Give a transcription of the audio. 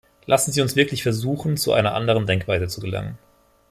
Lassen Sie uns wirklich versuchen, zu einer anderen Denkweise zu gelangen.